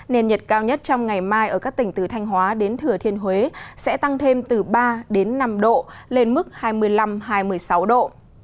nền nhiệt cao nhất trong ngày mai ở các tỉnh từ thanh hóa đến thừa thiên huế sẽ tăng thêm từ ba đến năm độ lên mức hai mươi năm hai mươi sáu độ